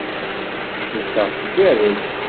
Cukkeɣ tgerrez.